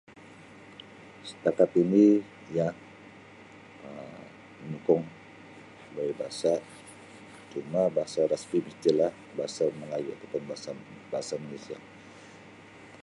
setakat ini ya Um [unintelligible] saya rasa cuma bahasa rasmi tu ja la bahasa melayu ataupun bahasa malaysia.